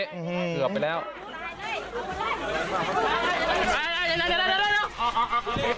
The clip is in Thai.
อันนี้คือพวกหน้ากว่านี้